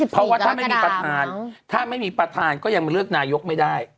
เพราะว่าถ้าไม่มีประธานถ้าไม่มีประธานก็ยังเลือกนายกไม่ได้